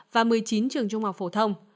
và một mươi chín trường trung học phổ thông